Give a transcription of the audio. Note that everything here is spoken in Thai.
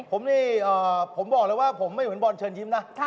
ผมนี่ผมบอกเลยว่าผมไม่เหมือนบอลเชิญยิ้มนะ